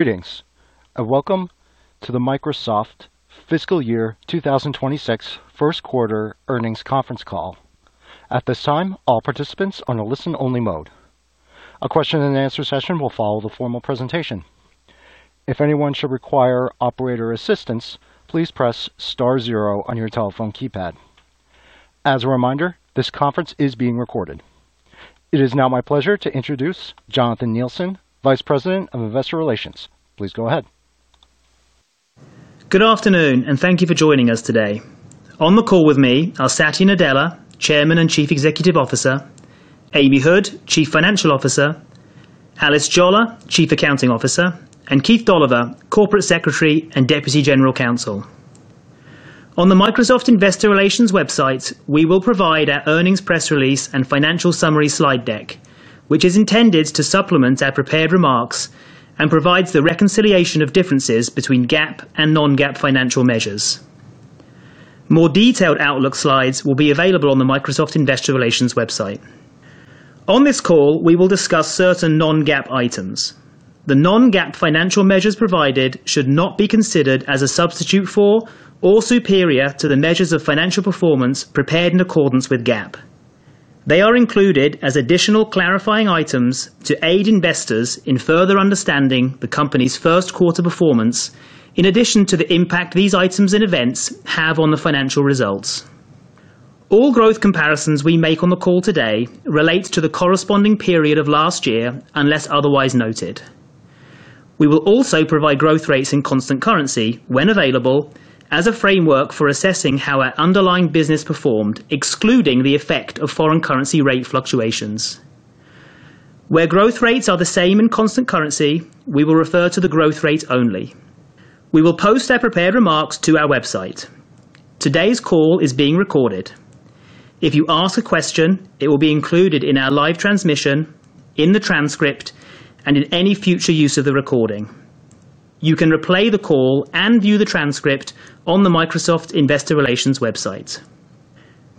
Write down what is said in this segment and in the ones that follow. Greetings and welcome to the Microsoft fiscal year 2026 first quarter earnings conference call. At this time, all participants are in a listen-only mode. A question and answer session will follow the formal presentation. If anyone should require operator assistance, please press star zero on your telephone keypad. As a reminder, this conference is being recorded. It is now my pleasure to introduce Jonathan Neilson, Vice President of Investor Relations. Please go ahead. Good afternoon and thank you for joining us today. On the call with me are Satya Nadella, Chairman and Chief Executive Officer, Amy Hood, Chief Financial Officer, Alice Jolla, Chief Accounting Officer, and Keith Dolliver, Corporate Secretary and Deputy General Counsel. On the Microsoft Investor Relations website, we will provide an earnings press release and financial summary slide deck, which is intended to supplement our prepared remarks and provide the reconciliation of differences between GAAP and non-GAAP financial measures. More detailed Outlook slides will be available on the Microsoft Investor Relations website. On this call, we will discuss certain non-GAAP items. The non-GAAP financial measures provided should not be considered as a substitute for or superior to the measures of financial performance prepared in accordance with GAAP. They are included as additional clarifying items to aid investors in further understanding the company's first quarter performance, in addition to the impact these items and events have on the financial results. All growth comparisons we make on the call today relate to the corresponding period of last year unless otherwise noted. We will also provide growth rates in constant currency, when available, as a framework for assessing how our underlying business performed, excluding the effect of foreign currency rate fluctuations. Where growth rates are the same in constant currency, we will refer to the growth rate only. We will post our prepared remarks to our website. Today's call is being recorded. If you ask a question, it will be included in our live transmission, in the transcript, and in any future use of the recording. You can replay the call and view the transcript on the Microsoft Investor Relations website.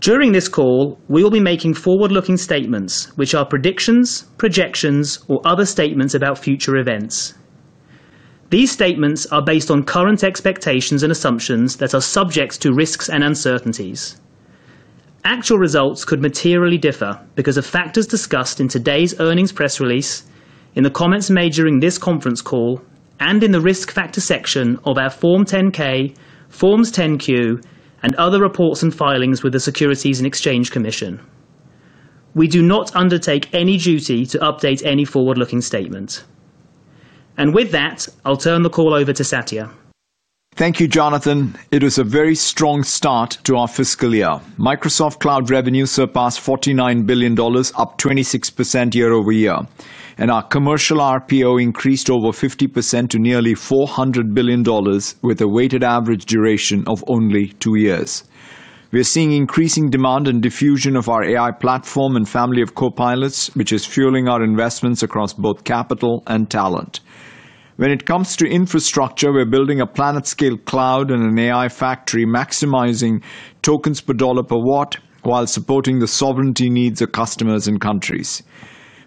During this call, we will be making forward-looking statements, which are predictions, projections, or other statements about future events. These statements are based on current expectations and assumptions that are subject to risks and uncertainties. Actual results could materially differ because of factors discussed in today's earnings press release, in the comments made in this conference call, and in the risk factor section of our Form 10-K, Forms 10-Q, and other reports and filings with the Securities and Exchange Commission. We do not undertake any duty to update any forward-looking statements. With that, I'll turn the call over to Satya. Thank you, Jonathan. It was a very strong start to our fiscal year. Microsoft Cloud revenue surpassed $49 billion, up 26% year-over-year, and our commercial RPO increased over 50% to nearly $400 billion with a weighted average duration of only two years. We are seeing increasing demand and diffusion of our AI platform and family of Copilots, which is fueling our investments across both capital and talent. When it comes to infrastructure, we're building a planet-scale cloud and an AI factory, maximizing tokens per dollar per watt while supporting the sovereignty needs of customers and countries.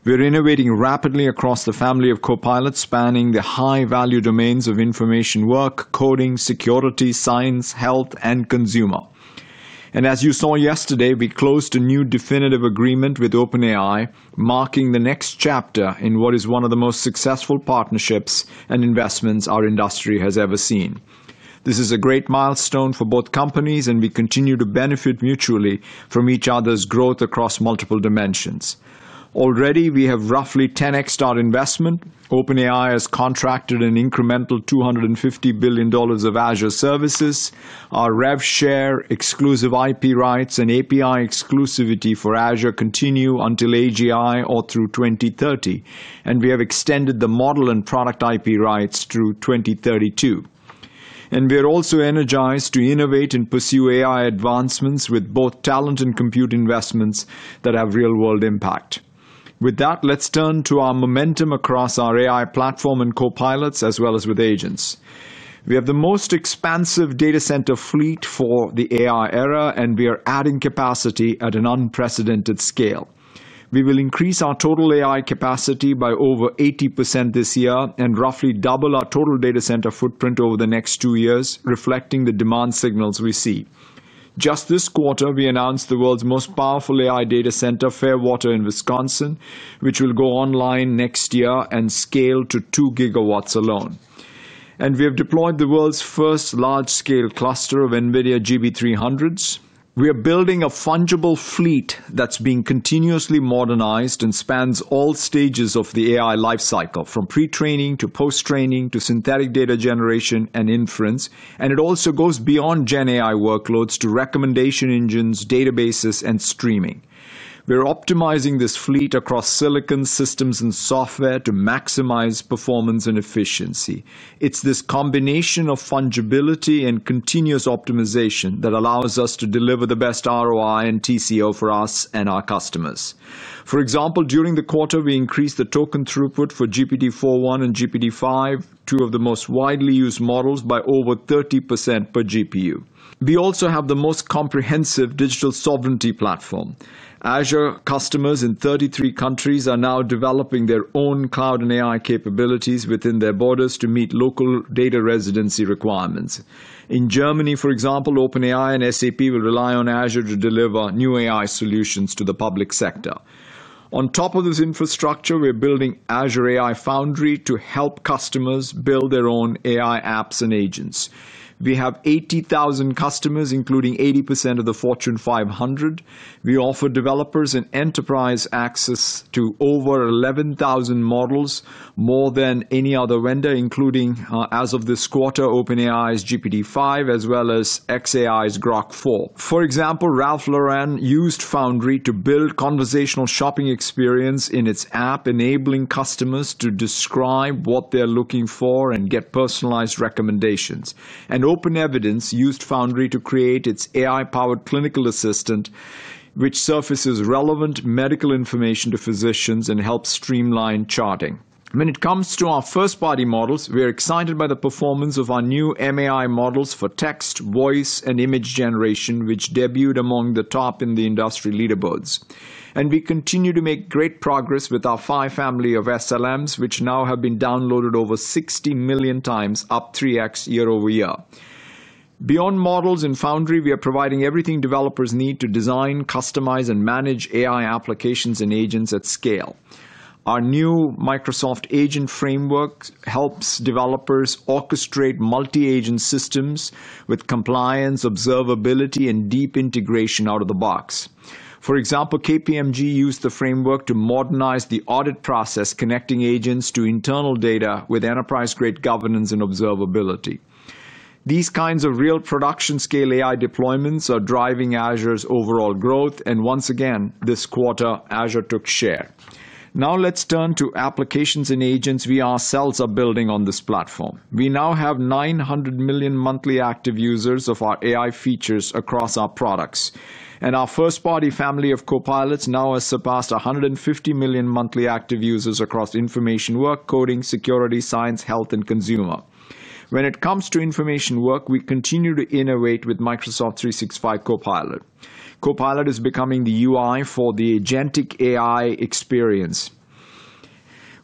We're innovating rapidly across the family of Copilots, spanning the high-value domains of information work, coding, security, science, health, and consumer. As you saw yesterday, we closed a new definitive agreement with OpenAI, marking the next chapter in what is one of the most successful partnerships and investments our industry has ever seen. This is a great milestone for both companies, and we continue to benefit mutually from each other's growth across multiple dimensions. Already, we have roughly 10x our investment. OpenAI has contracted an incremental $250 billion of Azure services. Our rev share, exclusive IP rights, and API exclusivity for Azure continue until AGI or through 2030, and we have extended the model and product IP rights through 2032. We are also energized to innovate and pursue AI advancements with both talent and compute investments that have real-world impact. With that, let's turn to our momentum across our AI platform and Copilots, as well as with agents. We have the most expansive data center fleet for the AI era, and we are adding capacity at an unprecedented scale. We will increase our total AI capacity by over 80% this year and roughly double our total data center footprint over the next two years, reflecting the demand signals we see. Just this quarter, we announced the world's most powerful AI data center, Fairwater in Wisconsin, which will go online next year and scale to 2 GW alone. We have deployed the world's first large-scale cluster of NVIDIA GB300s. We are building a fungible, global fleet that's being continuously modernized and spans all stages of the AI lifecycle, from pre-training to post-training to synthetic data generation and inference. It also goes beyond Gen AI workloads to recommendation engines, databases, and streaming. We're optimizing this fleet across silicon, systems, and software to maximize performance and efficiency. It's this combination of fungibility and continuous optimization that allows us to deliver the best ROI and TCO for us and our customers. For example, during the quarter, we increased the token throughput for GPT-4.1 and GPT-5, two of the most widely used models, by over 30% per GPU. We also have the most comprehensive digital sovereignty platform. Azure customers in 33 countries are now developing their own cloud and AI capabilities within their borders to meet local data residency requirements. In Germany, for example, OpenAI and SAP will rely on Azure to deliver new AI solutions to the public sector. On top of this infrastructure, we're building Azure AI Foundry to help customers build their own AI apps and agents. We have 80,000 customers, including 80% of the Fortune 500. We offer developers and enterprise access to over 11,000 models, more than any other vendor, including, as of this quarter, OpenAI's GPT-5, as well as xAI's Grok 4. For example, Ralph Lauren used Foundry to build a conversational shopping experience in its app, enabling customers to describe what they're looking for and get personalized recommendations. Open Evidence used Foundry to create its AI-powered clinical assistant, which surfaces relevant medical information to physicians and helps streamline charting. When it comes to our first-party models, we're excited by the performance of our new MAI models for text, voice, and image generation, which debuted among the top in the industry leaderboards. We continue to make great progress with our Phi family of SLMs, which now have been downloaded over 60 million times, up 3x YoY. Beyond models in Foundry, we are providing everything developers need to design, customize, and manage AI applications and agents at scale. Our new Microsoft Agent Framework helps developers orchestrate multi-agent systems with compliance, observability, and deep integration out of the box. For example, KPMG used the framework to modernize the audit process, connecting agents to internal data with enterprise-grade governance and observability. These kinds of real production-scale AI deployments are driving Azure's overall growth, and once again, this quarter, Azure took share. Now let's turn to applications and agents we ourselves are building on this platform. We now have 900 million monthly active users of our AI features across our products. Our first-party family of Copilots now has surpassed 150 million monthly active users across information work, coding, security, science, health, and consumer. When it comes to information work, we continue to innovate with Microsoft 365 Copilot. Copilot is becoming the UI for the Agentic AI experience.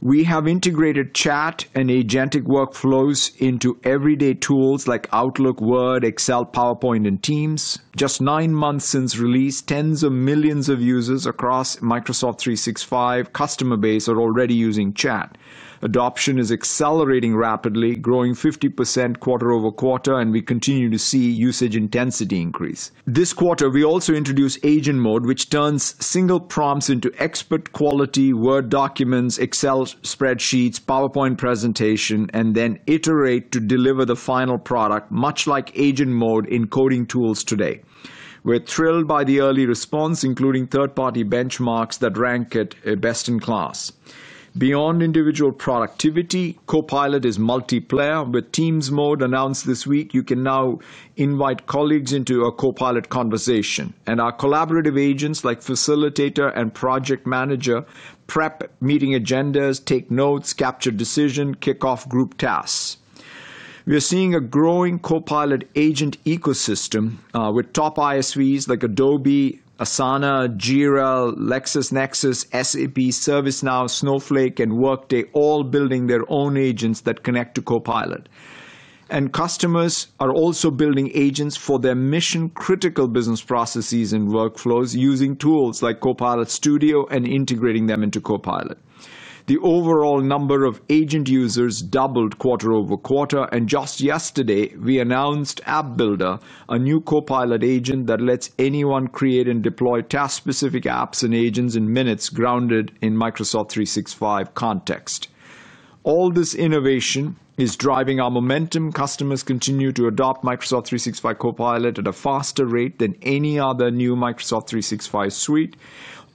We have integrated chat and Agentic workflows into everyday tools like Outlook, Word, Excel, PowerPoint, and Teams. Just nine months since release, tens of millions of users across the Microsoft 365 customer base are already using chat. Adoption is accelerating rapidly, growing 50% quarter-over-quarter, and we continue to see usage intensity increase. This quarter, we also introduced Agent Mode, which turns single prompts into expert-quality Word documents, Excel spreadsheets, PowerPoint presentations, and then iterates to deliver the final product, much like Agent Mode in coding tools today. We're thrilled by the early response, including third-party benchmarks that rank it best in class. Beyond individual productivity, Copilot is multiplayer with Teams Mode announced this week. You can now invite colleagues into a Copilot conversation, and our collaborative agents like Facilitator and Project Manager prep meeting agendas, take notes, capture decisions, and kick off group tasks. We are seeing a growing Copilot agent ecosystem with top ISVs like Adobe, Asana, Jira, LexisNexis, SAP, ServiceNow, Snowflake, and Workday all building their own agents that connect to Copilot. Customers are also building agents for their mission-critical business processes and workflows using tools like Copilot Studio and integrating them into Copilot. The overall number of agent users doubled quarter-over-quarter, and just yesterday, we announced App Builder, a new Copilot agent that lets anyone create and deploy task-specific apps and agents in minutes grounded in Microsoft 365 context. All this innovation is driving our momentum. Customers continue to adopt Microsoft 365 Copilot at a faster rate than any other new Microsoft 365 suite.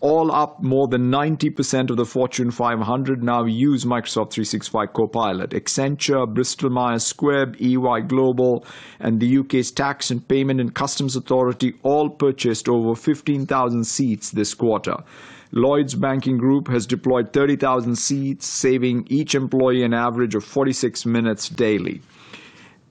All up, more than 90% of the Fortune 500 now use Microsoft 365 Copilot. Accenture, Bristol-Myers Squibb, EY Global, and the U.K.'s Tax and Payment and Customs Authority all purchased over 15,000 seats this quarter. Lloyd’s Banking Group has deployed 30,000 seats, saving each employee an average of 46 minutes daily.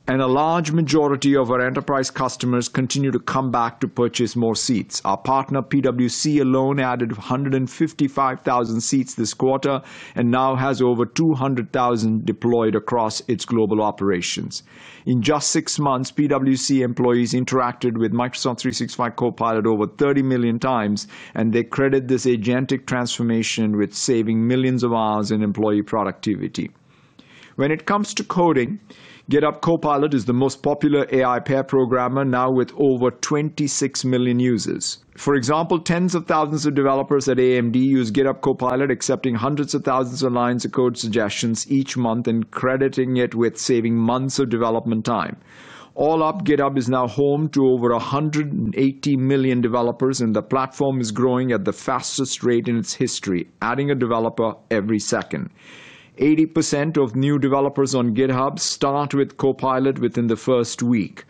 A large majority of our enterprise customers continue to come back to purchase more seats. Our partner, PwC, alone added 155,000 seats this quarter and now has over 200,000 deployed across its global operations. In just six months, PwC employees interacted with Microsoft 365 Copilot over 30 million times, and they credit this agentic transformation with saving millions of hours in employee productivity. When it comes to coding, GitHub Copilot is the most popular AI pair programmer now with over 26 million users. For example, tens of thousands of developers at AMD use GitHub Copilot, accepting hundreds of thousands of lines of code suggestions each month and crediting it with saving months of development time. All up, GitHub is now home to over 180 million developers, and the platform is growing at the fastest rate in its history, adding a developer every second. 80% of new developers on GitHub start with Copilot within the first week.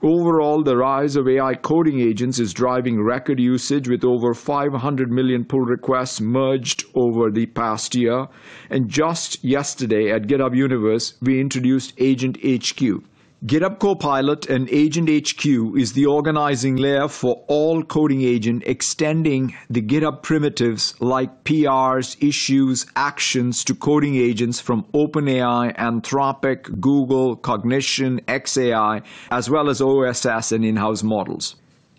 Overall, the rise of AI coding agents is driving record usage with over 500 million pull requests merged over the past year. Just yesterday at GitHub Universe, we introduced Agent HQ. GitHub Copilot and Agent HQ are the organizing layer for all coding agents, extending the GitHub primitives like PRs, issues, and actions to coding agents from OpenAI, Anthropic, Google, Cognition, xAI, as well as OSS and in-house models.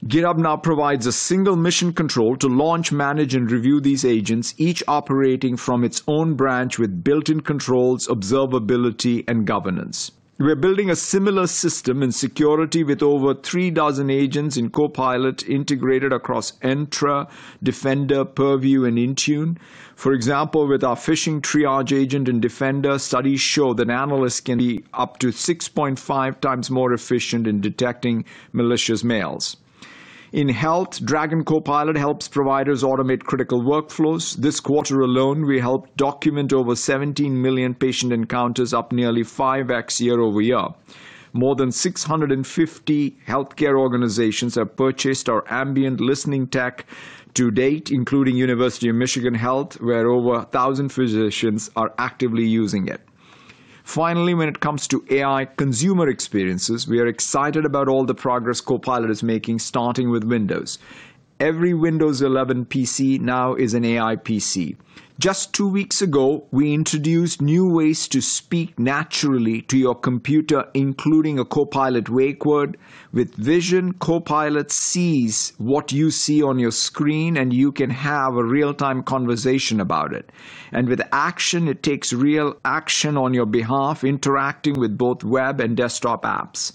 GitHub now provides a single mission control to launch, manage, and review these agents, each operating from its own branch with built-in controls, observability, and governance. We're building a similar system in security with over three dozen agents in Copilot integrated across Entra, Defender, Purview, and Intune. For example, with our phishing triage agent in Defender, studies show that analysts can be up to 6.5 times more efficient in detecting malicious mails. In health, Dragon Copilot helps providers automate critical workflows. This quarter alone, we helped document over 17 million patient encounters, up nearly 5x year-over-year. More than 650 healthcare organizations have purchased our ambient listening tech to date, including University of Michigan Health, where over 1,000 physicians are actively using it. Finally, when it comes to AI consumer experiences, we are excited about all the progress Copilot is making, starting with Windows. Every Windows 11 PC now is an AI PC. Two weeks ago, we introduced new ways to speak naturally to your computer, including a Copilot wake word. With Vision, Copilot sees what you see on your screen, and you can have a real-time conversation about it. With Action, it takes real action on your behalf, interacting with both web and desktop apps.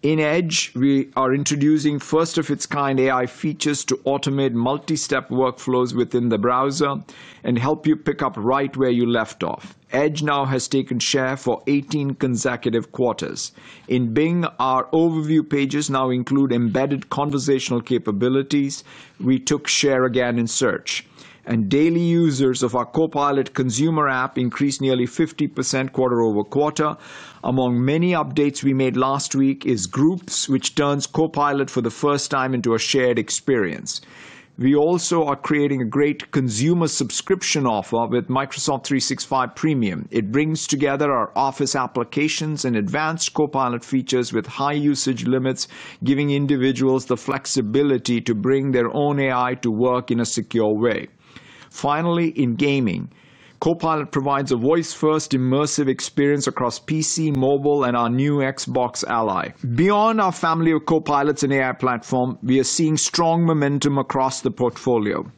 In Edge, we are introducing first-of-its-kind AI features to automate multi-step workflows within the browser and help you pick up right where you left off. Edge now has taken share for 18 consecutive quarters. In Bing, our overview pages now include embedded conversational capabilities. We took share again in search. Daily users of our Copilot consumer app increased nearly 50% quarter-over-quarter. Among many updates we made last week is Groups, which turns Copilot for the first time into a shared experience. We also are creating a great consumer subscription offer with Microsoft 365 Premium. It brings together our Office applications and advanced Copilot features with high usage limits, giving individuals the flexibility to bring their own AI to work in a secure way. Finally, in gaming, Copilot provides a voice-first immersive experience across PC, mobile, and our new Xbox Ally. Beyond our family of Copilots and AI platform, we are seeing strong momentum across the portfolio.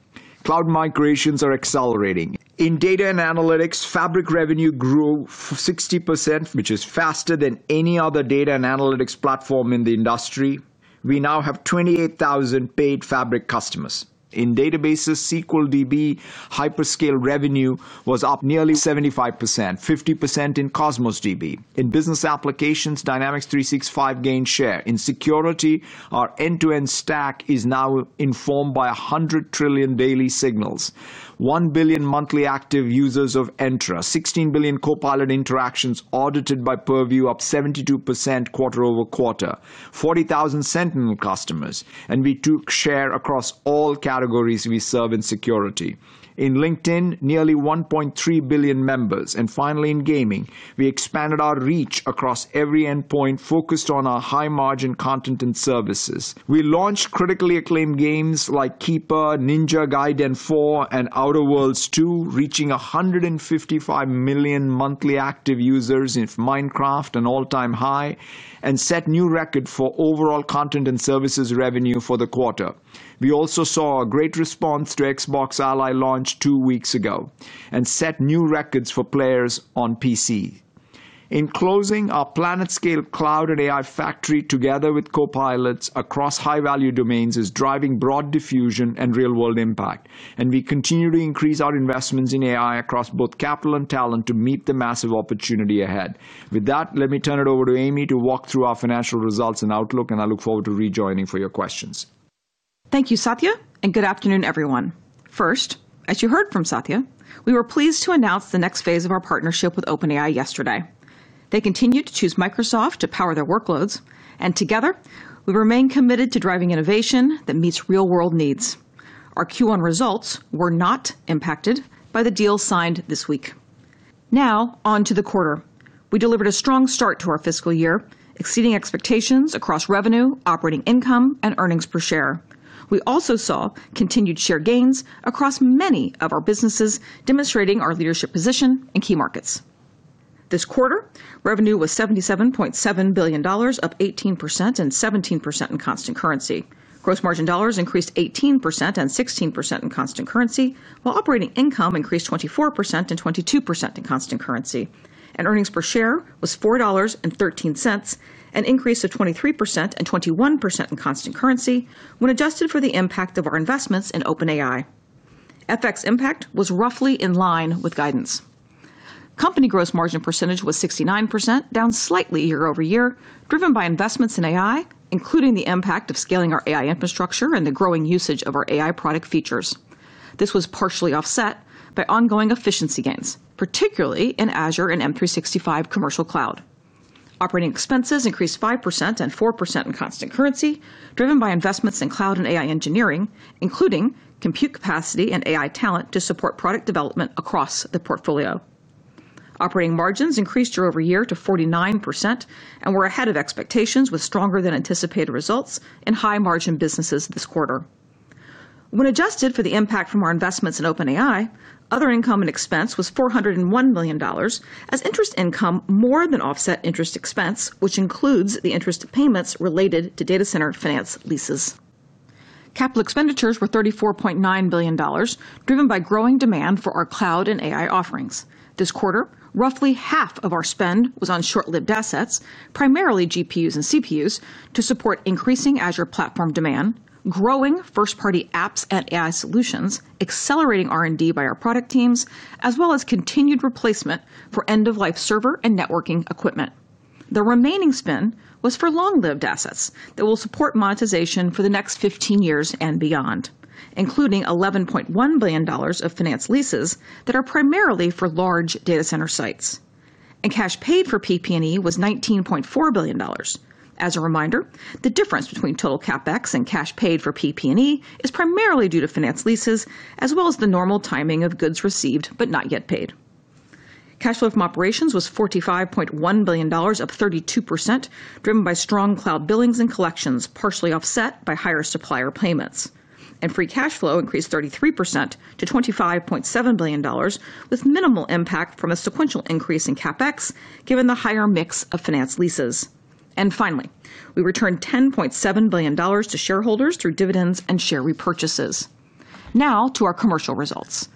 Cloud migrations are accelerating. In data and analytics, Fabric revenue grew 60%, which is faster than any other data and analytics platform in the industry. We now have 28,000 paid Fabric customers. In databases, SQL DB hyperscale revenue was up nearly 75%, 50% in Cosmos DB. In business applications, Dynamics 365 gained share. In security, our end-to-end stack is now informed by 100 trillion daily signals, 1 billion monthly active users of Entra, 16 billion Copilot interactions audited by Purview, up 72% quarter-over-quarter, 40,000 Sentinel customers. We took share across all categories we serve in security. In LinkedIn, nearly 1.3 billion members. In gaming, we expanded our reach across every endpoint focused on our high-margin content and services. We launched critically acclaimed games like Keeper, Ninja Gaiden 4, and Outer Worlds 2, reaching 155 million monthly active users in Minecraft, an all-time high, and set new records for overall content and services revenue for the quarter. We also saw a great response to Xbox Ally launch two weeks ago and set new records for players on PC. In closing, our planet-scale cloud and AI factory, together with Copilots across high-value domains, is driving broad diffusion and real-world impact. We continue to increase our investments in AI across both capital and talent to meet the massive opportunity ahead. With that, let me turn it over to Amy to walk through our financial results and outlook. I look forward to rejoining for your questions. Thank you, Satya, and good afternoon, everyone. First, as you heard from Satya, we were pleased to announce the next phase of our partnership with OpenAI yesterday. They continue to choose Microsoft to power their workloads, and together, we remain committed to driving innovation that meets real-world needs. Our Q1 results were not impacted by the deal signed this week. Now, on to the quarter. We delivered a strong start to our fiscal year, exceeding expectations across revenue, operating income, and earnings per share. We also saw continued share gains across many of our businesses, demonstrating our leadership position in key markets. This quarter, revenue was $77.7 billion, up 18% and 17% in constant currency. Gross margin dollars increased 18% and 16% in constant currency, while operating income increased 24% and 22% in constant currency. Earnings per share was $4.13, an increase of 23% and 21% in constant currency when adjusted for the impact of our investments in OpenAI. FX impact was roughly in line with guidance. Company gross margin percentage was 69%, down slightly year-over-year, driven by investments in AI, including the impact of scaling our AI infrastructure and the growing usage of our AI product features. This was partially offset by ongoing efficiency gains, particularly in Azure and M365 commercial cloud. Operating expenses increased 5% and 4% in constant currency, driven by investments in cloud and AI engineering, including compute capacity and AI talent to support product development across the portfolio. Operating margins increased year-over-year to 49% and were ahead of expectations with stronger than anticipated results in high-margin businesses this quarter. When adjusted for the impact from our investments in OpenAI, other income and expense was $401 million, as interest income more than offset interest expense, which includes the interest payments related to data center finance leases. Capital expenditures were $34.9 billion, driven by growing demand for our cloud and AI offerings. This quarter, roughly half of our spend was on short-lived assets, primarily GPUs and CPUs, to support increasing Azure platform demand, growing first-party apps and AI solutions, accelerating R&D by our product teams, as well as continued replacement for end-of-life server and networking equipment. The remaining spend was for long-lived assets that will support monetization for the next 15 years and beyond, including $11.1 billion of finance leases that are primarily for large data center sites. Cash paid for PP&E was $19.4 billion. As a reminder, the difference between total CapEx and cash paid for PP&E is primarily due to finance leases, as well as the normal timing of goods received but not yet paid. Cash flow from operations was $45.1 billion, up 32%, driven by strong cloud billings and collections, partially offset by higher supplier payments. Free cash flow increased 33% to $25.7 billion, with minimal impact from a sequential increase in CapEx, given the higher mix of finance leases. Finally, we returned $10.7 billion to shareholders through dividends and share repurchases. Now to our commercial results.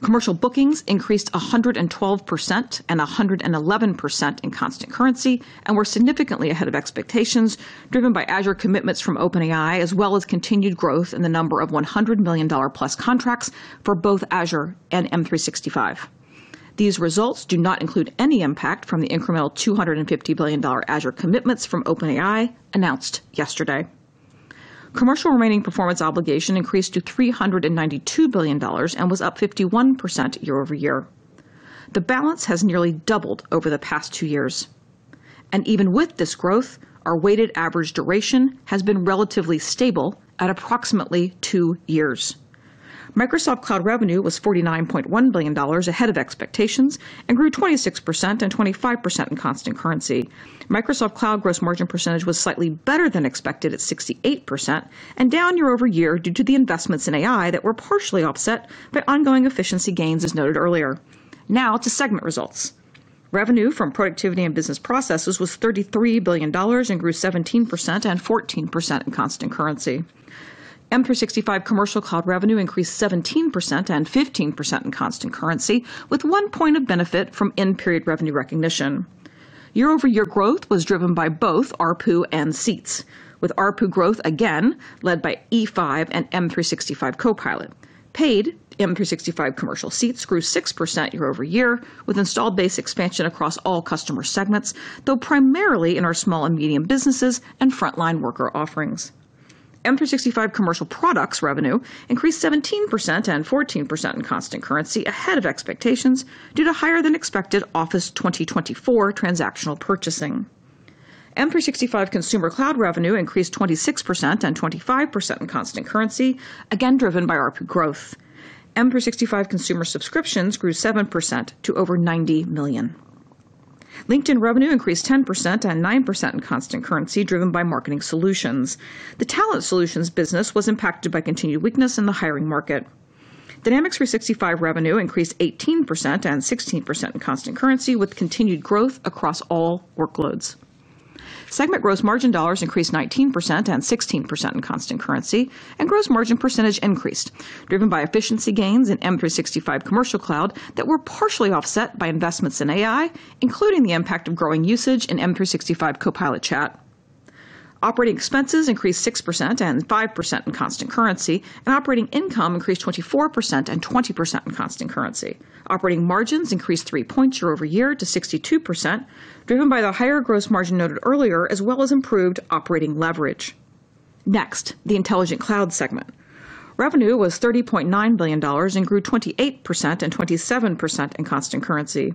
Commercial bookings increased 112% and 111% in constant currency and were significantly ahead of expectations, driven by Azure commitments from OpenAI, as well as continued growth in the number of $100 million+ contracts for both Azure and M365. These results do not include any impact from the incremental $250 billion Azure commitments from OpenAI announced yesterday. Commercial remaining performance obligation increased to $392 billion and was up 51% year-over-year. The balance has nearly doubled over the past two years. Even with this growth, our weighted average duration has been relatively stable at approximately two years. Microsoft Cloud revenue was $49.1 billion ahead of expectations and grew 26% and 25% in constant currency. Microsoft Cloud gross margin percentage was slightly better than expected at 68% and down year-over-year due to the investments in AI that were partially offset by ongoing efficiency gains, as noted earlier. Now to segment results. Revenue from Productivity and Business Processes was $33 billion and grew 17% and 14% in constant currency. M365 commercial cloud revenue increased 17% and 15% in constant currency, with one point of benefit from end-period revenue recognition. year-over-year growth was driven by both ARPU and seats, with ARPU growth again led by E5 and M365 Copilot. Paid M365 commercial seats grew 6% year-over-year, with installed base expansion across all customer segments, though primarily in our small and medium businesses and frontline worker offerings. M365 commercial products revenue increased 17% and 14% in constant currency ahead of expectations due to higher than expected Office 2024 transactional purchasing. M365 consumer cloud revenue increased 26% and 25% in constant currency, again driven by ARPU growth. M365 consumer subscriptions grew 7% to over 90 million. LinkedIn revenue increased 10% and 9% in constant currency, driven by marketing solutions. The talent solutions business was impacted by continued weakness in the hiring market. Dynamics 365 revenue increased 18% and 16% in constant currency, with continued growth across all workloads. Segment gross margin dollars increased 19% and 16% in constant currency, and gross margin percentage increased, driven by efficiency gains in M365 commercial cloud that were partially offset by investments in AI, including the impact of growing usage in M365 Copilot chat. Operating expenses increased 6% and 5% in constant currency, and operating income increased 24% and 20% in constant currency. Operating margins increased three points year-over-year to 62%, driven by the higher gross margin noted earlier, as well as improved operating leverage. Next, the Intelligent Cloud segment. Revenue was $30.9 billion and grew 28% and 27% in constant currency.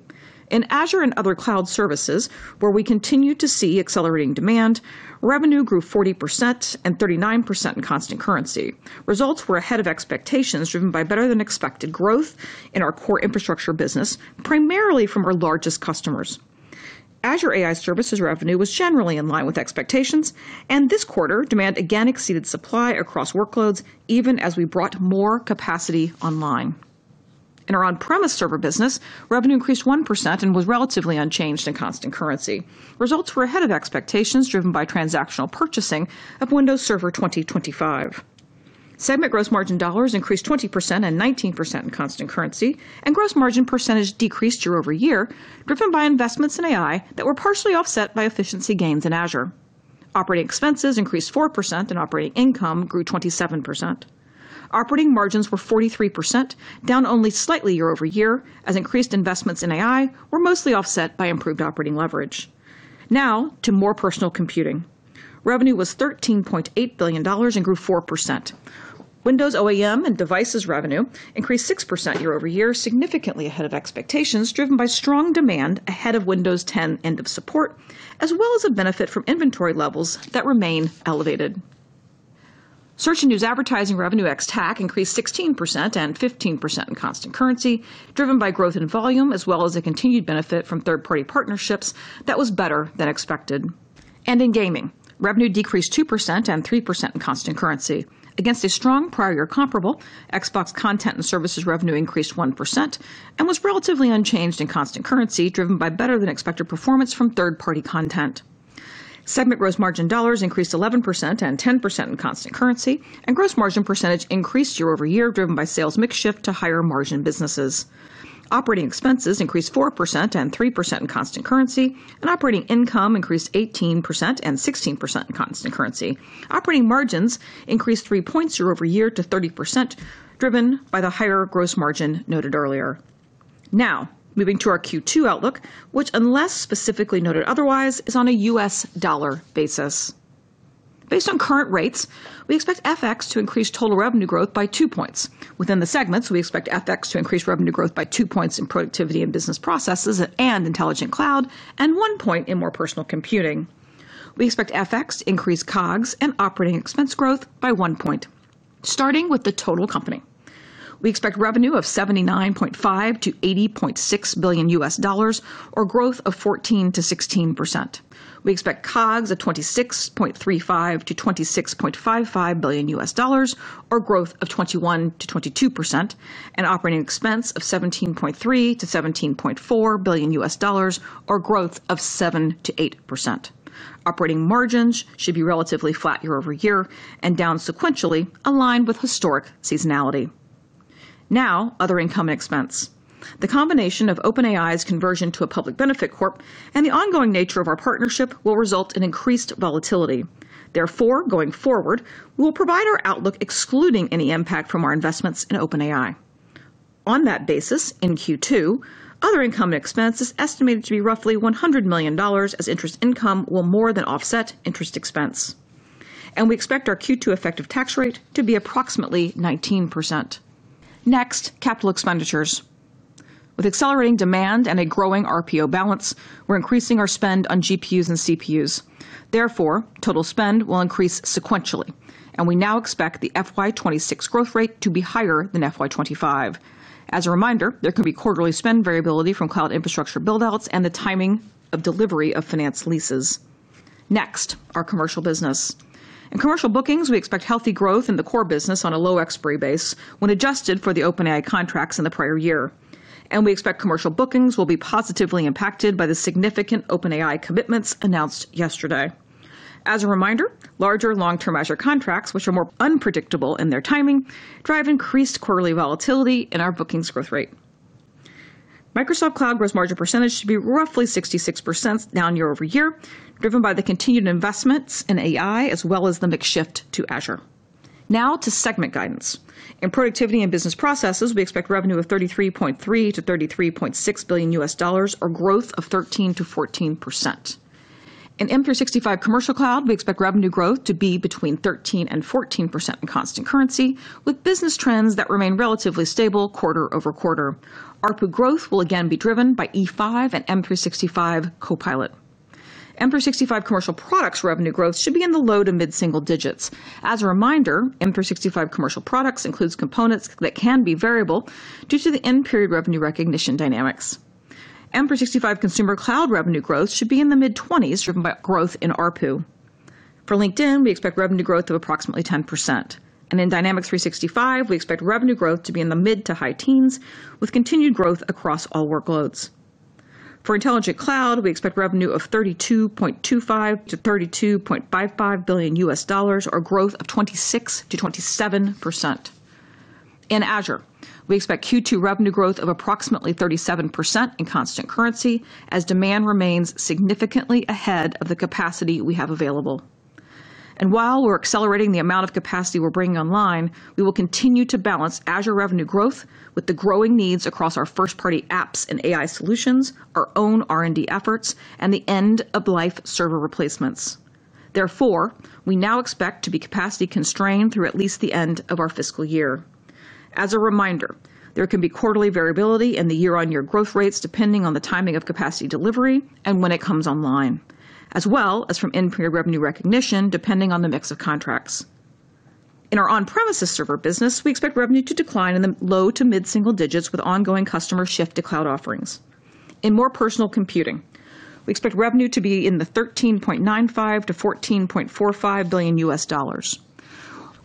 In Azure and other cloud services, where we continue to see accelerating demand, revenue grew 40% and 39% in constant currency. Results were ahead of expectations, driven by better than expected growth in our core infrastructure business, primarily from our largest customers. Azure AI services revenue was generally in line with expectations, and this quarter, demand again exceeded supply across workloads, even as we brought more capacity online. In our on-premise server business, revenue increased 1% and was relatively unchanged in constant currency. Results were ahead of expectations, driven by transactional purchasing of Windows Server 2025. Segment gross margin dollars increased 20% and 19% in constant currency, and gross margin percentage decreased year-over-year, driven by investments in AI that were partially offset by efficiency gains in Azure. Operating expenses increased 4% and operating income grew 27%. Operating margins were 43%, down only slightly year-over-year, as increased investments in AI were mostly offset by improved operating leverage. Now to More Personal Computing. Revenue was $13.8 billion and grew 4%. Windows OEM and devices revenue increased 6% year-over-year, significantly ahead of expectations, driven by strong demand ahead of Windows 10 end of support, as well as a benefit from inventory levels that remain elevated. Search and news advertising revenue ex-TAC increased 16% and 15% in constant currency, driven by growth in volume, as well as a continued benefit from third-party partnerships that was better than expected. In gaming, revenue decreased 2% and 3% in constant currency. Against a strong prior year comparable, Xbox content and services revenue increased 1% and was relatively unchanged in constant currency, driven by better than expected performance from third-party content. Segment gross margin dollars increased 11% and 10% in constant currency, and gross margin percentage increased year-over-year, driven by sales mix shift to higher margin businesses. Operating expenses increased 4% and 3% in constant currency, and operating income increased 18% and 16% in constant currency. Operating margins increased three points year-over-year to 30%, driven by the higher gross margin noted earlier. Now, moving to our Q2 outlook, which, unless specifically noted otherwise, is on a U.S. dollar basis. Based on current rates, we expect FX to increase total revenue growth by two points. Within the segments, we expect FX to increase revenue growth by two points in Productivity and Business Processes and Intelligent Cloud, and one point in More Personal Computing. We expect FX to increase COGS and operating expense growth by one point. Starting with the total company, we expect revenue of $79.5 billion-$80.6 billion, or growth of 14%-16%. We expect COGS of $26.35 billion-$26.55 billion or growth of 21%-22%, and operating expense of $17.3 billion-$17.4 billion, or growth of 7%-8%. Operating margins should be relatively flat year-over-year and down sequentially, aligned with historic seasonality. Now, other income and expense. The combination of OpenAI's conversion to a public benefit corp and the ongoing nature of our partnership will result in increased volatility. Therefore, going forward, we'll provide our outlook excluding any impact from our investments in OpenAI. On that basis, in Q2, other income and expense is estimated to be roughly $100 million, as interest income will more than offset interest expense. We expect our Q2 effective tax rate to be approximately 19%. Next, capital expenditures. With accelerating demand and a growing RPO balance, we're increasing our spend on GPUs and CPUs. Therefore, total spend will increase sequentially, and we now expect the FY 2026 growth rate to be higher than FY 2025. As a reminder, there can be quarterly spend variability from cloud infrastructure buildouts and the timing of delivery of finance leases. Next, our commercial business. In commercial bookings, we expect healthy growth in the core business on a low expiry base, when adjusted for the OpenAI contracts in the prior year. We expect commercial bookings will be positively impacted by the significant OpenAI commitments announced yesterday. As a reminder, larger long-term Azure contracts, which are more unpredictable in their timing, drive increased quarterly volatility in our bookings growth rate. Microsoft Cloud gross margin percentage should be roughly 66%, down year-over-year, driven by the continued investments in AI, as well as the mix shift to Azure. Now to segment guidance. In Productivity and Business Processes, we expect revenue of $33.3 billion-$33.6 billion, or growth of 13%-14%. In M365 commercial cloud, we expect revenue growth to be between 13% and 14% in constant currency, with business trends that remain relatively stable quarter-over-quarter. ARPU growth will again be driven by E5 and M365 Copilot. M365 commercial products revenue growth should be in the low to mid-single digits. As a reminder, M365 commercial products include components that can be variable due to the end-period revenue recognition dynamics. M365 consumer cloud revenue growth should be in the mid-20s, driven by growth in ARPU. For LinkedIn, we expect revenue growth of approximately 10%. In Dynamics 365, we expect revenue growth to be in the mid to high teens, with continued growth across all workloads. For Intelligent Cloud, we expect revenue of $32.25 billion-$32.55 billion, or growth of 26%-27%. In Azure, we expect Q2 revenue growth of approximately 37% in constant currency, as demand remains significantly ahead of the capacity we have available. While we're accelerating the amount of capacity we're bringing online, we will continue to balance Azure revenue growth with the growing needs across our first-party apps and AI solutions, our own R&D efforts, and the end-of-life server replacements. Therefore, we now expect to be capacity-constrained through at least the end of our fiscal year. As a reminder, there can be quarterly variability in the year-over-year growth rates, depending on the timing of capacity delivery and when it comes online, as well as from end-period revenue recognition, depending on the mix of contracts. In our on-premises server business, we expect revenue to decline in the low to mid-single digits, with ongoing customers' shift to cloud offerings. In More Personal Computing, we expect revenue to be in the $13.95 billion-$14.45 billion.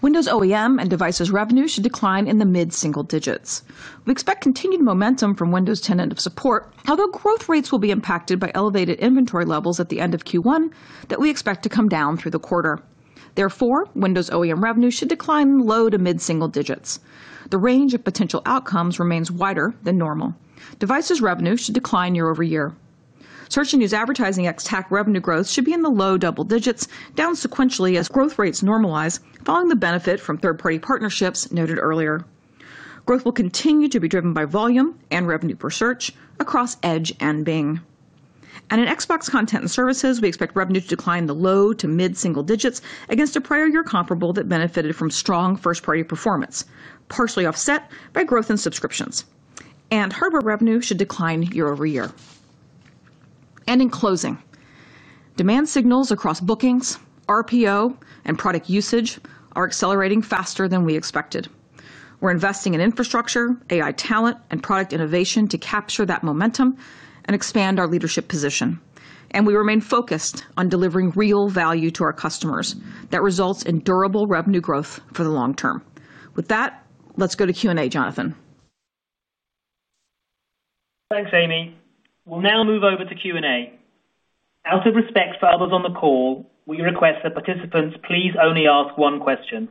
Windows OEM and Devices revenue should decline in the mid-single digits. We expect continued momentum from Windows 10 end of support, although growth rates will be impacted by elevated inventory levels at the end of Q1 that we expect to come down through the quarter. Therefore, Windows OEM revenue should decline in the low to mid-single digits. The range of potential outcomes remains wider than normal. Devices revenue should decline year-over-year. Search and news advertising ex-TAC revenue growth should be in the low double digits, down sequentially as growth rates normalize, following the benefit from third-party partnerships noted earlier. Growth will continue to be driven by volume and revenue per search across Edge and Bing. In Xbox content and services, we expect revenue to decline in the low to mid-single digits against a prior year comparable that benefited from strong first-party performance, partially offset by growth in subscriptions. Hardware revenue should decline year-over-year. In closing, demand signals across bookings, RPO, and product usage are accelerating faster than we expected. We're investing in infrastructure, AI talent, and product innovation to capture that momentum and expand our leadership position. We remain focused on delivering real value to our customers that results in durable revenue growth for the long term. With that, let's go to Q&A, Jonathan. Thanks, Amy. We'll now move over to Q&A. Out of respect for others on the call, we request that participants please only ask one question.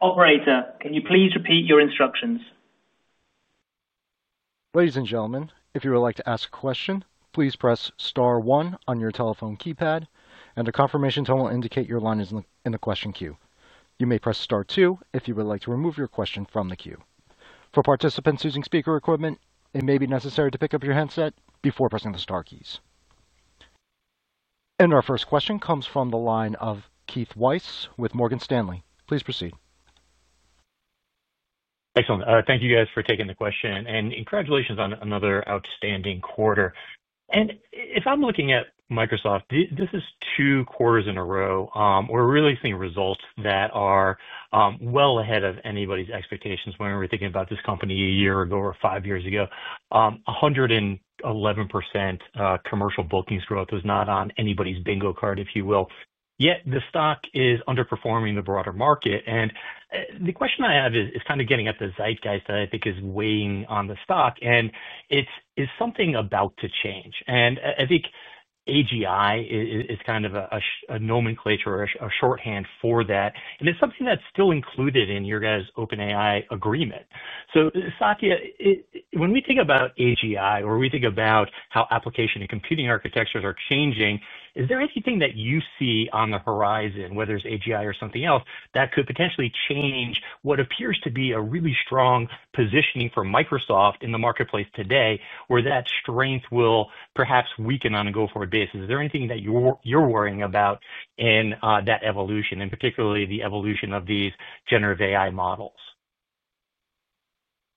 Operator, can you please repeat your instructions? Ladies and gentlemen, if you would like to ask a question, please press star one on your telephone keypad, and a confirmation tone will indicate your line is in the question queue. You may press star two if you would like to remove your question from the queue. For participants using speaker equipment, it may be necessary to pick up your headset before pressing the star keys. Our first question comes from the line of Keith Weiss with Morgan Stanley. Please proceed. Excellent. Thank you guys for taking the question, and congratulations on another outstanding quarter. If I'm looking at Microsoft, this is two quarters in a row. We're really seeing results that are well ahead of anybody's expectations. When we were thinking about this company a year ago or five years ago, 111% commercial bookings growth was not on anybody's bingo card, if you will. Yet the stock is underperforming the broader market. The question I have is kind of getting at the zeitgeist that I think is weighing on the stock, and it's something about to change. I think AGI is kind of a nomenclature or a shorthand for that. It's something that's still included in your OpenAI agreement. Satya, when we think about AGI or we think about how application and computing architectures are changing, is there anything that you see on the horizon, whether it's AGI or something else, that could potentially change what appears to be a really strong positioning for Microsoft in the marketplace today, or that strength will perhaps weaken on a go-forward basis? Is there anything that you're worrying about in that evolution, and particularly the evolution of these generative AI models?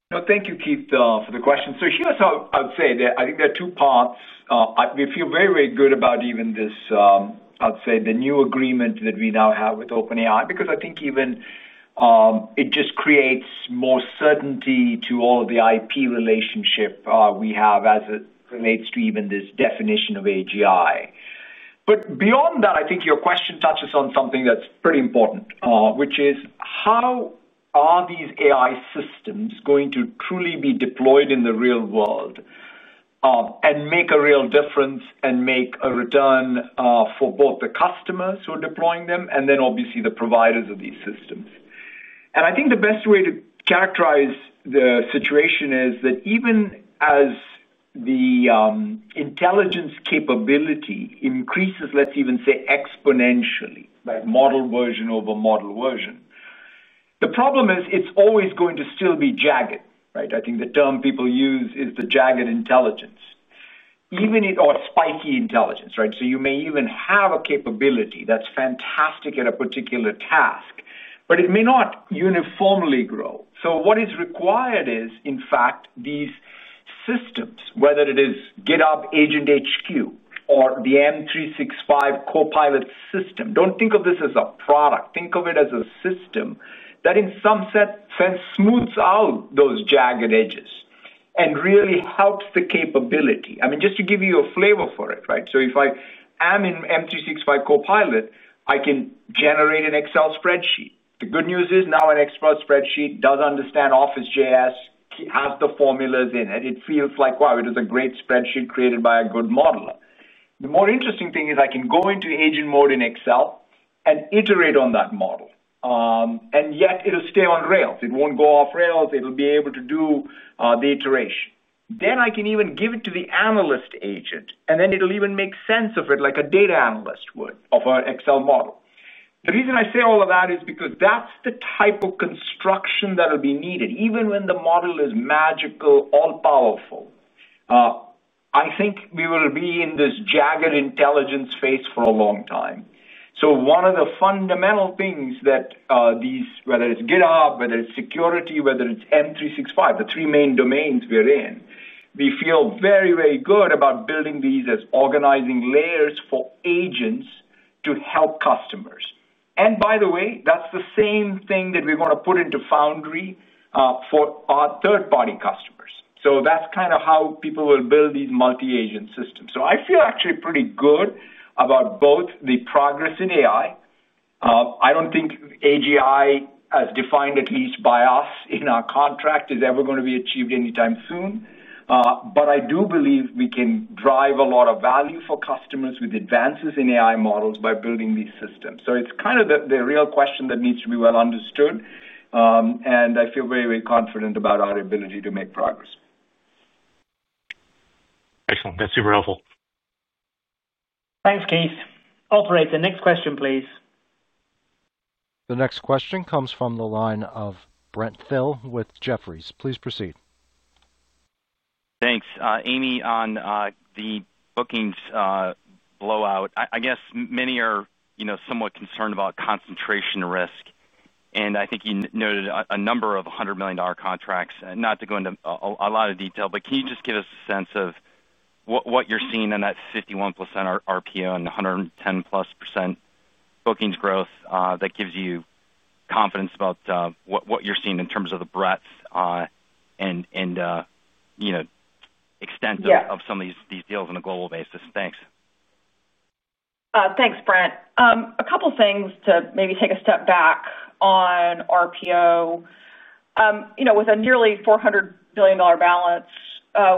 No, thank you, Keith, for the question. Here's how I would say that I think there are two parts. We feel very, very good about even this, I would say, the new agreement that we now have with OpenAI, because I think even it just creates more certainty to all of the IP relationship we have as it relates to even this definition of AGI. Beyond that, I think your question touches on something that's pretty important, which is how are these AI systems going to truly be deployed in the real world and make a real difference and make a return for both the customers who are deploying them and obviously the providers of these systems? I think the best way to characterize the situation is that even as the intelligence capability increases, let's even say exponentially, like model version over model version, the problem is it's always going to still be jagged. I think the term people use is the jagged intelligence, even it or spiky intelligence. You may even have a capability that's fantastic at a particular task, but it may not uniformly grow. What is required is, in fact, these systems, whether it is GitHub Agent HQ or the M365 Copilot system, don't think of this as a product. Think of it as a system that in some sense smooths out those jagged edges and really helps the capability. Just to give you a flavor for it, if I am in M365 Copilot, I can generate an Excel spreadsheet. The good news is now an Excel spreadsheet does understand Office JS, has the formulas in it. It feels like, wow, it is a great spreadsheet created by a good modeler. The more interesting thing is I can go into agent mode in Excel and iterate on that model, and yet it'll stay on rails. It won't go off rails. It'll be able to do the iteration. Then I can even give it to the analyst agent, and then it'll even make sense of it like a data analyst would of an Excel model. The reason I say all of that is because that's the type of construction that'll be needed, even when the model is magical, all-powerful. I think we will be in this jagged intelligence phase for a long time. One of the fundamental things that these, whether it's GitHub, whether it's security, whether it's M365, the three main domains we're in, we feel very, very good about building these as organizing layers for agents to help customers. By the way, that's the same thing that we're going to put into Foundry for our third-party customers. That's kind of how people will build these multi-agent systems. I feel actually pretty good about both the progress in AI. I don't think AGI, as defined at least by us in our contract, is ever going to be achieved anytime soon. I do believe we can drive a lot of value for customers with advances in AI models by building these systems. It's kind of the real question that needs to be well understood. I feel very, very confident about our ability to make progress. Excellent. That's super helpful. Thanks, Keith. Operator, next question, please. The next question comes from the line of Brent Thill with Jefferies. Please proceed. Thanks. Amy, on the bookings blowout, I guess many are somewhat concerned about concentration risk. I think you noted a number of $100 million contracts. Not to go into a lot of detail, can you just give us a sense of what you're seeing on that 51% RPO and 110%+ bookings growth that gives you confidence about what you're seeing in terms of the breadth and extent of some of these deals on a global basis? Thanks. Thanks, Brent. A couple of things to maybe take a step back on RPO. With a nearly $400 billion balance,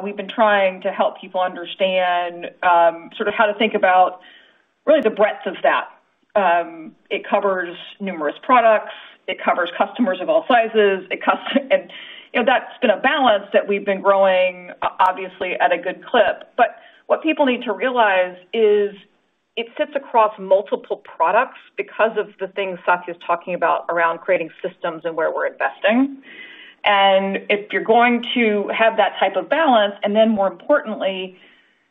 we've been trying to help people understand sort of how to think about really the breadth of that. It covers numerous products. It covers customers of all sizes. That's been a balance that we've been growing, obviously, at a good clip. What people need to realize is it sits across multiple products because of the things Satya is talking about around creating systems and where we're investing. If you're going to have that type of balance, and then more importantly,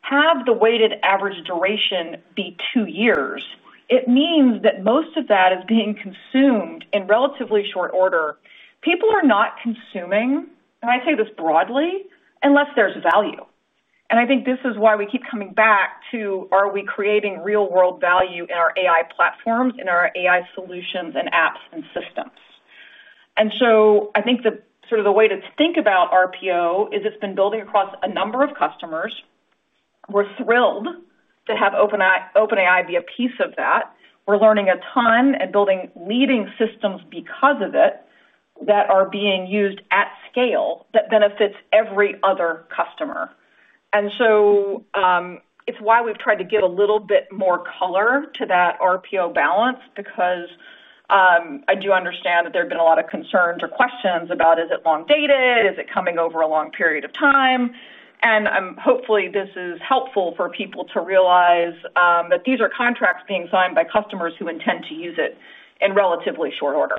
have the weighted average duration be two years, it means that most of that is being consumed in relatively short order. People are not consuming, and I say this broadly, unless there's value. I think this is why we keep coming back to are we creating real-world value in our AI platforms, in our AI solutions and apps and systems. I think the way to think about RPO is it's been building across a number of customers. We're thrilled to have OpenAI be a piece of that. We're learning a ton and building leading systems because of it that are being used at scale that benefits every other customer. It's why we've tried to give a little bit more color to that RPO balance, because I do understand that there have been a lot of concerns or questions about is it long-dated? Is it coming over a long period of time? Hopefully, this is helpful for people to realize that these are contracts being signed by customers who intend to use it in relatively short order.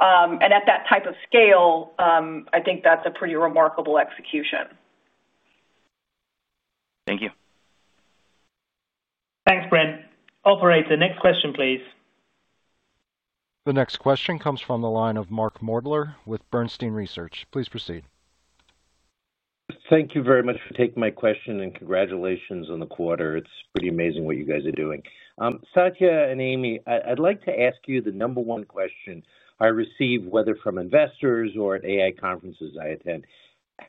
At that type of scale, I think that's a pretty remarkable execution. Thank you. Thanks, Brent. Operator, next question, please. The next question comes from the line of Mark Moerdler with Bernstein Research. Please proceed. Thank you very much for taking my question, and congratulations on the quarter. It's pretty amazing what you guys are doing. Satya and Amy, I'd like to ask you the number one question I receive, whether from investors or at AI conferences I attend.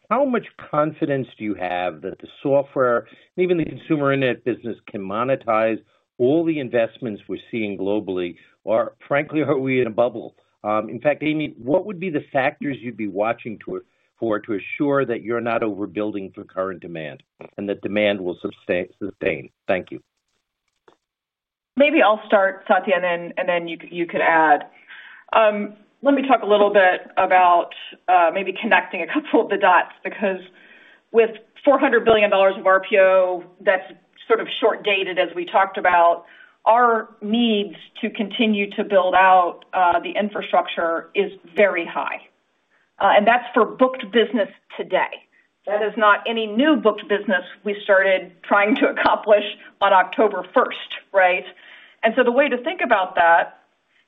How much confidence do you have that the software and even the consumer internet business can monetize all the investments we're seeing globally, or frankly, are we in a bubble? In fact, Amy, what would be the factors you'd be watching for to assure that you're not overbuilding for current demand and that demand will sustain? Thank you. Maybe I'll start, Satya, and then you could add. Let me talk a little bit about maybe connecting a couple of the dots, because with $400 billion of RPO that's sort of short-dated, as we talked about, our needs to continue to build out the infrastructure are very high. That's for booked business today. That is not any new booked business we started trying to accomplish on October 1, right? The way to think about that,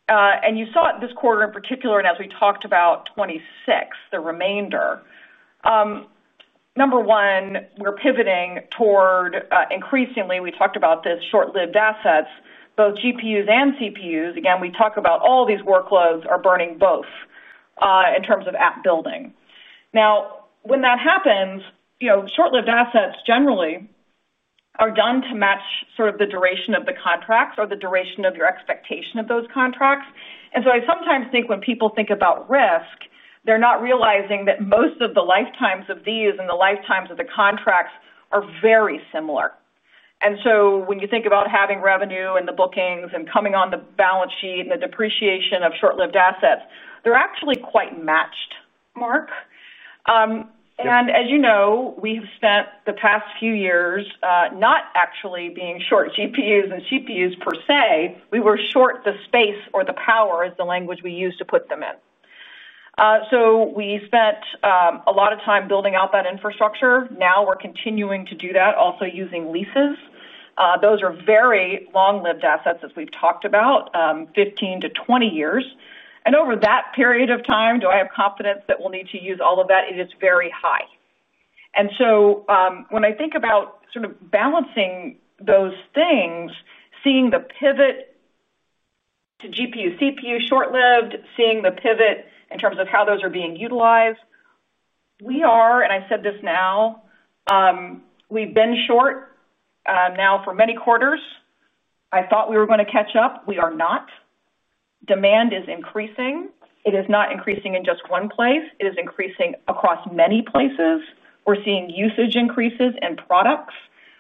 and you saw it this quarter in particular, and as we talked about 2026, the remainder. Number one, we're pivoting toward increasingly, we talked about this, short-lived assets, both GPUs and CPUs. Again, we talk about all these workloads are burning both in terms of app building. Now, when that happens, short-lived assets generally are done to match sort of the duration of the contracts or the duration of your expectation of those contracts. I sometimes think when people think about risk, they're not realizing that most of the lifetimes of these and the lifetimes of the contracts are very similar. When you think about having revenue and the bookings and coming on the balance sheet and the depreciation of short-lived assets, they're actually quite matched, Mark. As you know, we have spent the past few years not actually being short GPUs and CPUs per se. We were short the space or the power, is the language we use to put them in. We spent a lot of time building out that infrastructure. Now we're continuing to do that, also using leases. Those are very long-lived assets, as we've talked about, 15-20 years. Over that period of time, do I have confidence that we'll need to use all of that? It is very high. When I think about sort of balancing those things, seeing the pivot to GPU, CPU short-lived, seeing the pivot in terms of how those are being utilized, we are, and I said this now, we've been short now for many quarters. I thought we were going to catch up. We are not. Demand is increasing. It is not increasing in just one place. It is increasing across many places. We're seeing usage increases in products.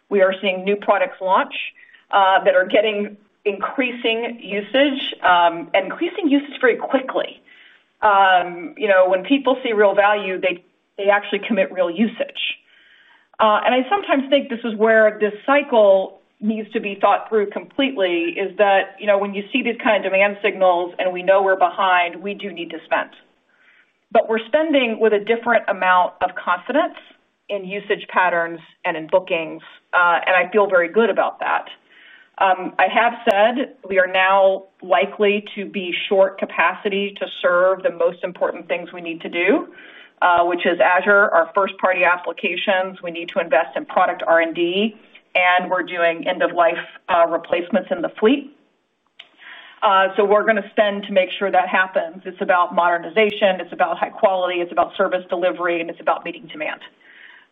We are seeing new products launch that are getting increasing usage, and increasing usage very quickly. When people see real value, they actually commit real usage. I sometimes think this is where this cycle needs to be thought through completely, is that when you see these kind of demand signals and we know we're behind, we do need to spend. We're spending with a different amount of confidence in usage patterns and in bookings, and I feel very good about that. I have said we are now likely to be short capacity to serve the most important things we need to do, which is Azure, our first-party applications. We need to invest in product R&D, and we're doing end-of-life replacements in the fleet. We're going to spend to make sure that happens. It's about modernization, high quality, service delivery, and meeting demand.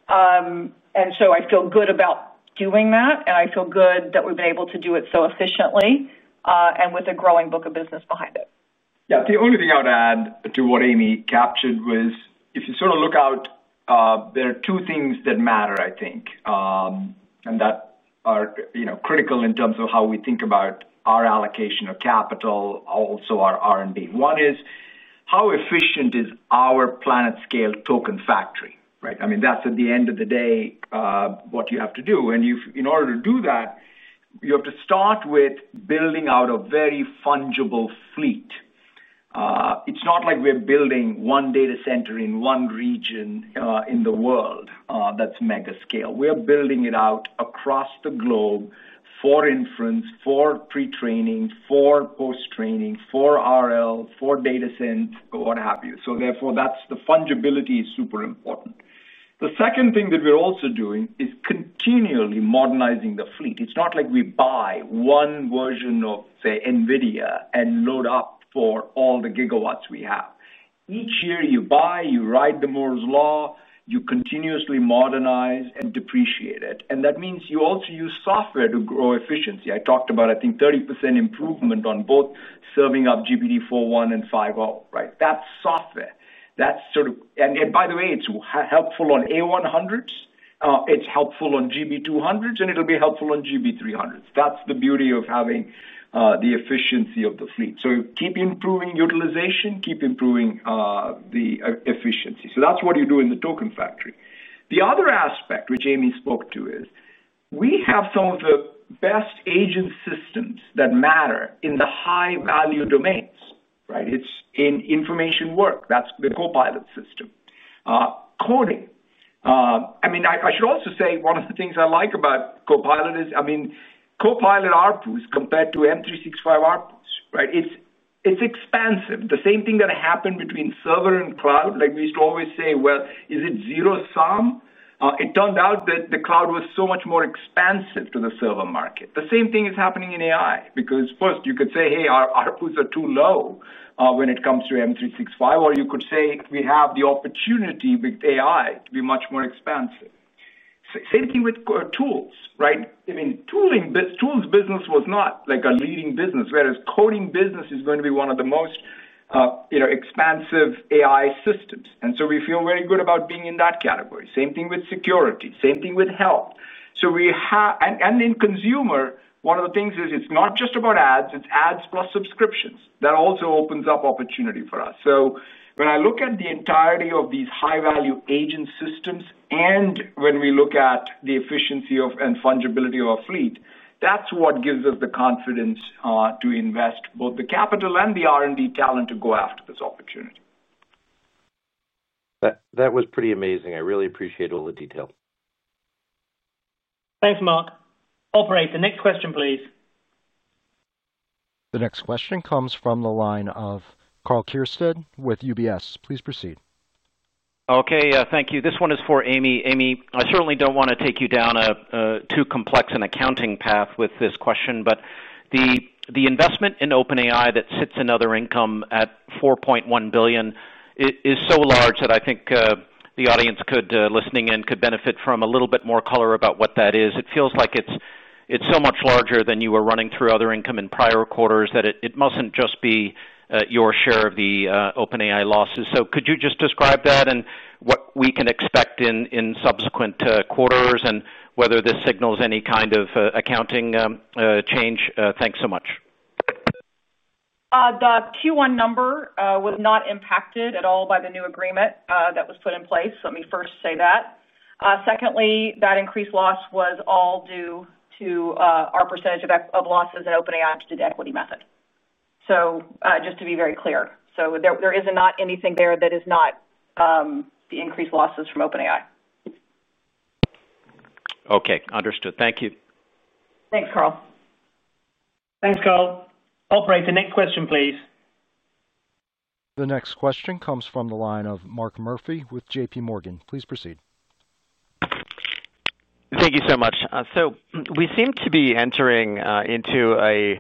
I feel good about doing that, and I feel good that we've been able to do it so efficiently and with a growing book of business behind it. Yeah, the only thing I would add to what Amy captured was if you sort of look out, there are two things that matter, I think, and that are critical in terms of how we think about our allocation of capital, also our R&D. One is how efficient is our planet-scale token factory? I mean, that's at the end of the day what you have to do. In order to do that, you have to start with building out a very fungible, global fleet. It's not like we're building one data center in one region in the world that's mega scale. We are building it out across the globe for inference, for pre-training, for post-training, for RL, for data synth, what have you. Therefore, the fungibility is super important. The second thing that we're also doing is continually modernizing the fleet. It's not like we buy one version of, say, NVIDIA and load up for all the gigawatts we have. Each year you buy, you ride the Moore's Law, you continuously modernize and depreciate it. That means you also use software to grow efficiency. I talked about, I think, 30% improvement on both serving up GPT-4.1 and 5.0. That's software. By the way, it's helpful on A100s. It's helpful on GB200s, and it'll be helpful on GB300s. That's the beauty of having the efficiency of the fleet. Keep improving utilization, keep improving the efficiency. That's what you do in the token factory. The other aspect, which Amy spoke to, is we have some of the best agent systems that matter in the high-value domains. It's in information work. That's the Copilot system. Coding. I mean, I should also say one of the things I like about Copilot is, I mean, Copilot ARPUs compared to M365 ARPUs. It's expansive. The same thing that happened between server and cloud, like we used to always say, is it zero sum? It turned out that the cloud was so much more expansive to the server market. The same thing is happening in AI, because first, you could say, hey, our ARPUs are too low when it comes to M365, or you could say we have the opportunity with AI to be much more expansive. Same thing with tools. I mean, tools business was not like a leading business, whereas coding business is going to be one of the most expansive AI systems. We feel very good about being in that category. Same thing with security. Same thing with health. In consumer, one of the things is it's not just about ads. It's ads plus subscriptions. That also opens up opportunity for us. When I look at the entirety of these high-value agent systems and when we look at the efficiency and fungibility of our fleet, that's what gives us the confidence to invest both the capital and the R&D talent to go after this opportunity. That was pretty amazing. I really appreciate all the detail. Thanks, Mark. Operator, next question, please. The next question comes from the line of Karl Keirstead with UBS. Please proceed. OK, yeah, thank you. This one is for Amy. Amy, I certainly don't want to take you down too complex an accounting path with this question, but the investment in OpenAI that sits in other income at $4.1 billion is so large that I think the audience listening in could benefit from a little bit more color about what that is. It feels like it's so much larger than you were running through other income in prior quarters that it mustn't just be your share of the OpenAI losses. Could you just describe that and what we can expect in subsequent quarters and whether this signals any kind of accounting change? Thanks so much. The Q1 number was not impacted at all by the new agreement that was put in place. Let me first say that. Secondly, that increased loss was all due to our percentage of losses in OpenAI's debt equity method. Just to be very clear, there is not anything there that is not the increased losses from OpenAI. OK, understood. Thank you. Thanks, Karl. Thanks, Karl. Operator, next question, please. The next question comes from the line of Mark Murphy with JPMorgan. Please proceed. Thank you so much. We seem to be entering into a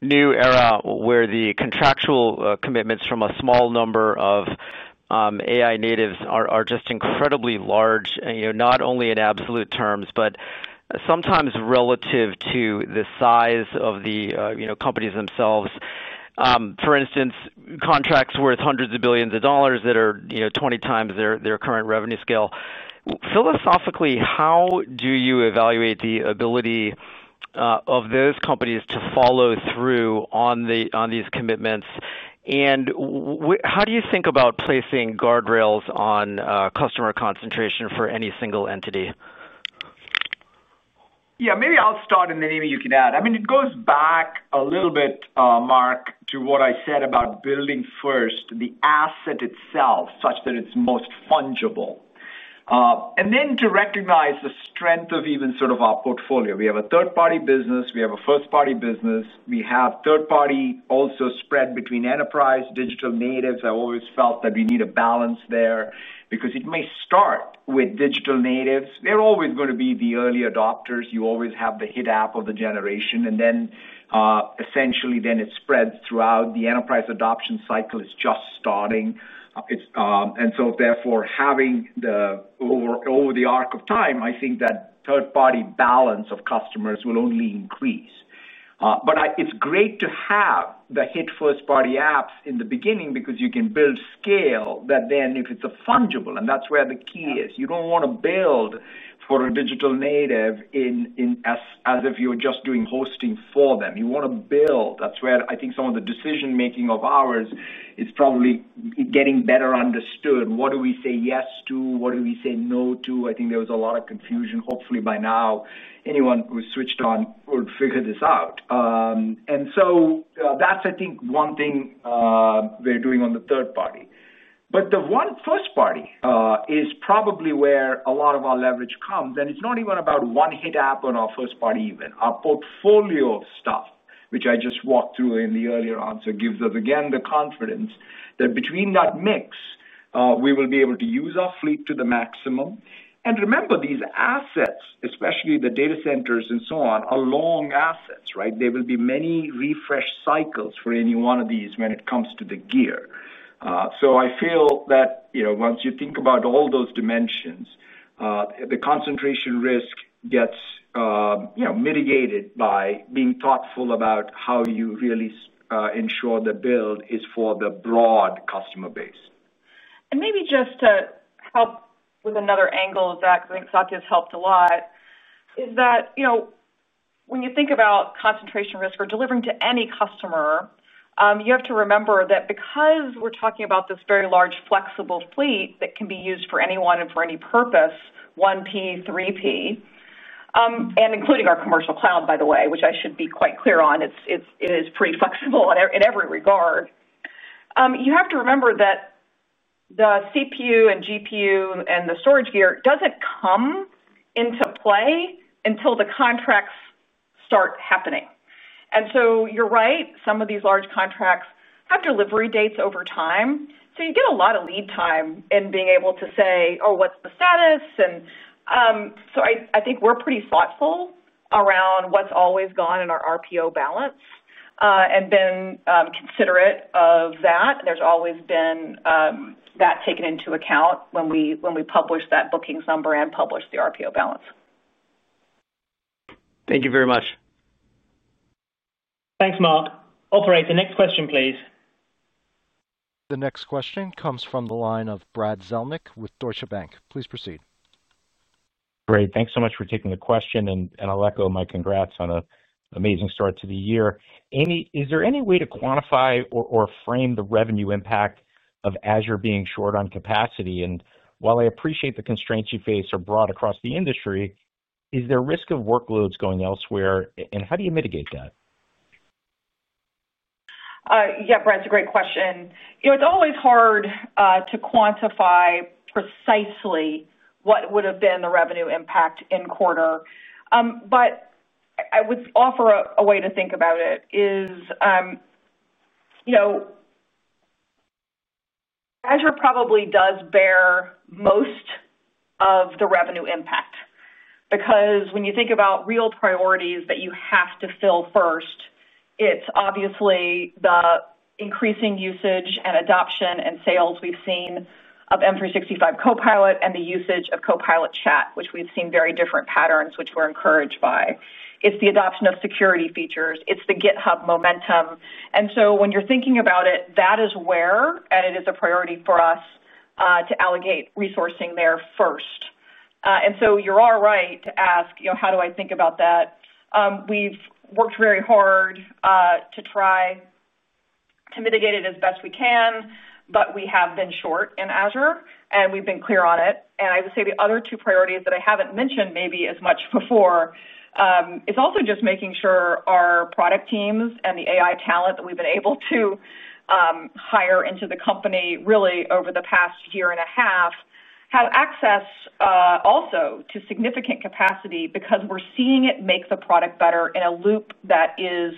new era where the contractual commitments from a small number of AI natives are just incredibly large, not only in absolute terms, but sometimes relative to the size of the companies themselves. For instance, contracts worth hundreds of billions of dollars that are 20 times their current revenue scale. Philosophically, how do you evaluate the ability of those companies to follow through on these commitments? How do you think about placing guardrails on customer concentration for any single entity? Yeah, maybe I'll start, and then Amy, you can add. It goes back a little bit, Mark, to what I said about building first the asset itself such that it's most fungible. Then to recognize the strength of even sort of our portfolio. We have a third-party business. We have a first-party business. We have third-party also spread between enterprise, digital natives. I always felt that we need a balance there, because it may start with digital natives. They're always going to be the early adopters. You always have the hit app of the generation. Then essentially, it spreads throughout. The enterprise adoption cycle is just starting. Therefore, having over the arc of time, I think that third-party balance of customers will only increase. It's great to have the hit first-party apps in the beginning, because you can build scale that then if it's fungible, and that's where the key is. You don't want to build for a digital native as if you're just doing hosting for them. You want to build. That's where I think some of the decision-making of ours is probably getting better understood. What do we say yes to? What do we say no to? I think there was a lot of confusion. Hopefully, by now, anyone who switched on would figure this out. That's, I think, one thing we're doing on the third party. The first party is probably where a lot of our leverage comes. It's not even about one hit app on our first party even. Our portfolio of stuff, which I just walked through in the earlier answer, gives us again the confidence that between that mix, we will be able to use our fleet to the maximum. Remember, these assets, especially the data centers and so on, are long assets. There will be many refresh cycles for any one of these when it comes to the gear. I feel that once you think about all those dimensions, the concentration risk gets mitigated by being thoughtful about how you really ensure the build is for the broad customer base. Maybe just to help with another angle of that, because I think Satya's helped a lot, when you think about concentration risk or delivering to any customer, you have to remember that because we're talking about this very large flexible fleet that can be used for anyone and for any purpose, 1P, 3P, and including our commercial cloud, by the way, which I should be quite clear on, it is pretty flexible in every regard. You have to remember that the CPU and GPU and the storage gear doesn't come into play until the contracts start happening. You're right, some of these large contracts have delivery dates over time, so you get a lot of lead time in being able to say, oh, what's the status? I think we're pretty thoughtful around what's always gone in our RPO balance and been considerate of that. There's always been that taken into account when we publish that bookings number and publish the RPO balance. Thank you very much. Thanks, Mark. Operator, next question, please. The next question comes from the line of Brad Zelnick with Deutsche Bank. Please proceed. Great. Thanks so much for taking the question. I'll echo my congrats on an amazing start to the year. Amy, is there any way to quantify or frame the revenue impact of Azure being short on capacity? I appreciate the constraints you face are broad across the industry. Is there risk of workloads going elsewhere? How do you mitigate that? Yeah, Brad, it's a great question. It's always hard to quantify precisely what would have been the revenue impact in quarter. I would offer a way to think about it is Azure probably does bear most of the revenue impact, because when you think about real priorities that you have to fill first, it's obviously the increasing usage and adoption and sales we've seen of M365 Copilot and the usage of Copilot Chat, which we've seen very different patterns, which we're encouraged by. It's the adoption of security features. It's the GitHub momentum. When you're thinking about it, that is where, and it is a priority for us to allocate resourcing there first. You're all right to ask, how do I think about that? We've worked very hard to try to mitigate it as best we can, but we have been short in Azure, and we've been clear on it. I would say the other two priorities that I haven't mentioned maybe as much before is also just making sure our product teams and the AI talent that we've been able to hire into the company really over the past year and a half have access also to significant capacity, because we're seeing it make the product better in a loop that is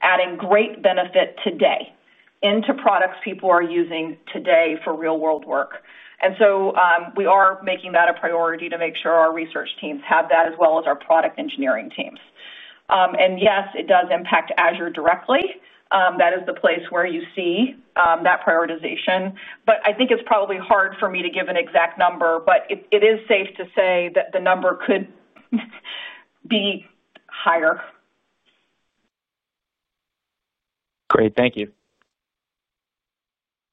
adding great benefit today into products people are using today for real-world work. We are making that a priority to make sure our research teams have that, as well as our product engineering teams. Yes, it does impact Azure directly. That is the place where you see that prioritization. I think it's probably hard for me to give an exact number, but it is safe to say that the number could be higher. Great. Thank you.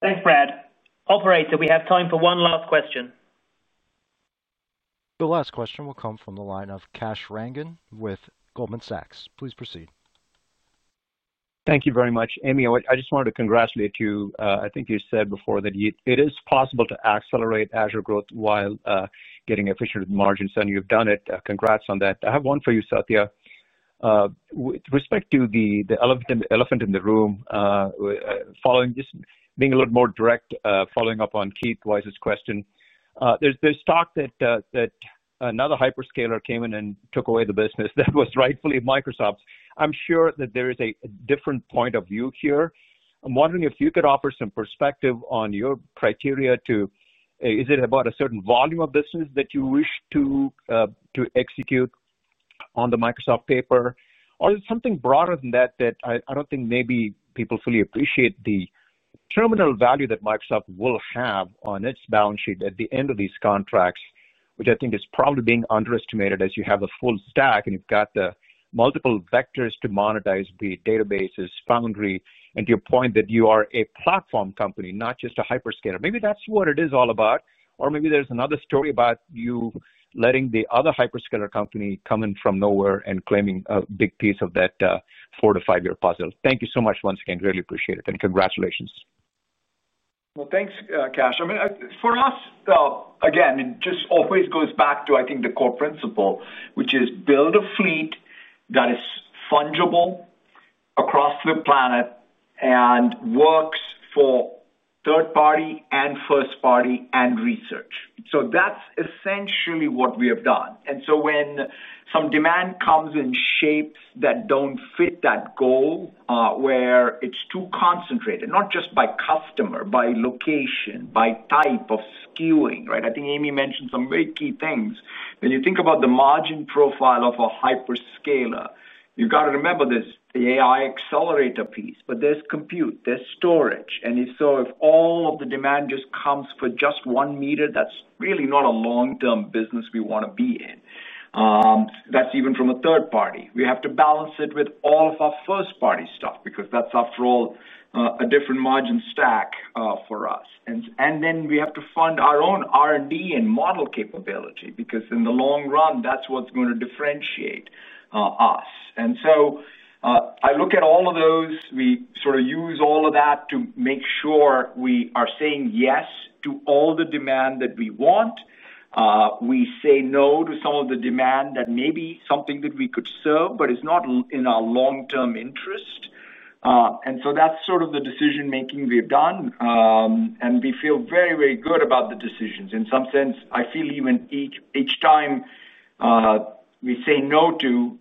Thanks, Brad. Operator, we have time for one last question. The last question will come from the line of Kash Rangan with Goldman Sachs. Please proceed. Thank you very much. Amy, I just wanted to congratulate you. I think you said before that it is possible to accelerate Azure growth while getting efficient margins, and you've done it. Congrats on that. I have one for you, Satya. With respect to the elephant in the room, following just being a little more direct, following up on Keith Weiss's question, there's talk that another hyperscaler came in and took away the business that was rightfully Microsoft. I'm sure that there is a different point of view here. I'm wondering if you could offer some perspective on your criteria. Is it about a certain volume of business that you wish to execute on the Microsoft paper? Or is it something broader than that? I don't think maybe people fully appreciate the terminal value that Microsoft will have on its balance sheet at the end of these contracts, which I think is probably being underestimated as you have a full stack and you've got the multiple vectors to monetize the databases, Foundry. To your point that you are a platform company, not just a hyperscaler, maybe that's what it is all about. Or maybe there's another story about you letting the other hyperscaler company come in from nowhere and claiming a big piece of that four to five-year puzzle. Thank you so much once again. Really appreciate it. Congratulations. Thank you, Kash. For us, again, it just always goes back to, I think, the core principle, which is build a fleet that is fungible across the planet and works for third-party and first-party and research. That's essentially what we have done. When some demand comes in shapes that don't fit that goal, where it's too concentrated, not just by customer, by location, by type of skewing, I think Amy mentioned some very key things. When you think about the margin profile of a hyperscaler, you've got to remember there's the AI accelerator piece, but there's compute, there's storage. If all of the demand just comes for just one meter, that's really not a long-term business we want to be in. That's even from a third party. We have to balance it with all of our first-party stuff, because that's after all a different margin stack for us. We have to fund our own R&D and model capability, because in the long run, that's what's going to differentiate us. I look at all of those. We sort of use all of that to make sure we are saying yes to all the demand that we want. We say no to some of the demand that may be something that we could serve, but it's not in our long-term interest. That's sort of the decision-making we've done. We feel very, very good about the decisions. In some sense, I feel even each time we say no to,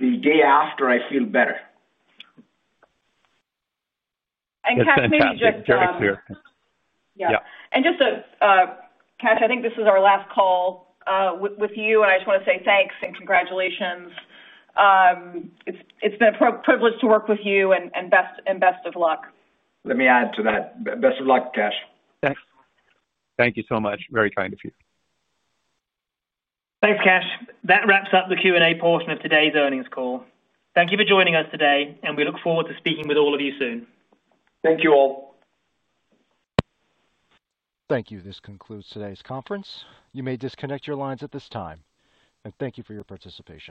the day after I feel better. Kash, maybe just. Yeah. Kash, I think this is our last call with you. I just want to say thanks and congratulations. It's been a privilege to work with you, and best of luck. Let me add to that. Best of luck, Kash. Thanks. Thank you so much. Very kind of you. Thanks, Kash. That wraps up the Q&A portion of today's earnings call. Thank you for joining us today, and we look forward to speaking with all of you soon. Thank you all. Thank you. This concludes today's conference. You may disconnect your lines at this time. Thank you for your participation.